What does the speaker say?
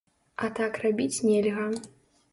А так рабіць нельга.